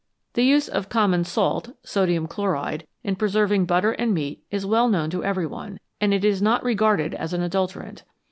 The use of common salt (sodium chloride) in preserving butter and meat is well known to every one, and it is not regarded as an adulterant.